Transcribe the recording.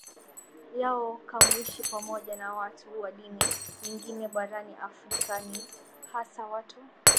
yao kamuishi pamoja na watu wa dini nyingine Barani Afrika ni hasa watu